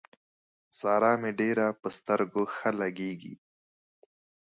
سارا مې ډېره پر سترګو ښه لګېږي.